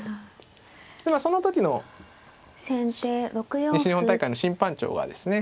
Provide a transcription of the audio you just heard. その時の西日本大会の審判長がですね